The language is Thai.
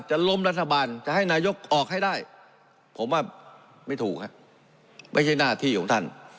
ล้มรัฐบาลจะให้นายกออกให้ได้ผมว่าไม่ถูกครับไม่ใช่หน้าที่ของท่าน